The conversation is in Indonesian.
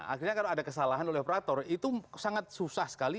akhirnya kalau ada kesalahan oleh operator itu sangat susah sekali